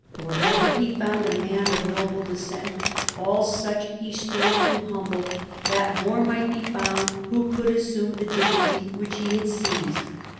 Wherever he found a man of noble descent, all such he strove to humble, that more might be found who could assume the dignity which he had seized.